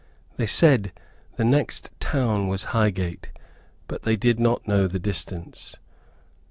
They said the next town was Highgate, but they did not know the distance.